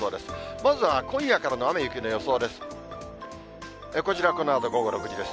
まずは今夜からの雨や雪の予想です。